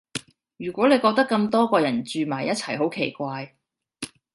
如果你覺得咁多個人住埋一齊好奇怪